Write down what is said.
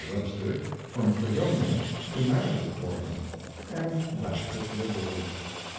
Webster, from Fredonia to manage it for him, and backed it liberally.